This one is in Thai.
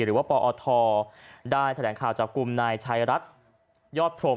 ปอทได้แถลงข่าวจับกลุ่มนายชายรัฐยอดพรม